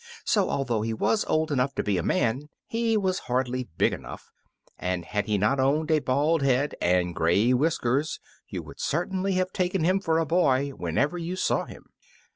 So, although he was old enough to be a man he was hardly big enough, and had he not owned a bald head and gray whiskers you would certainly have taken him for a boy whenever you saw him.